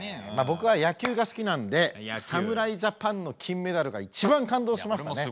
まあ僕は野球が好きなんで侍ジャパンの金メダルが一番感動しましたね。